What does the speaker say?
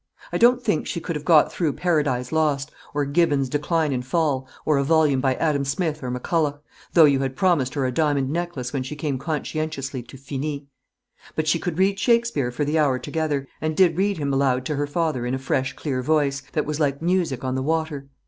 I don't think she could have got through "Paradise Lost," or Gibbon's "Decline and Fall," or a volume by Adam Smith or McCulloch, though you had promised her a diamond necklace when she came conscientiously to "Finis." But she could read Shakespeare for the hour together, and did read him aloud to her father in a fresh, clear voice, that was like music on the water.